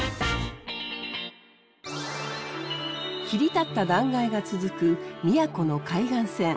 切り立った断崖が続く宮古の海岸線。